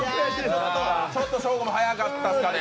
ちょっとショーゴも早かったですかね？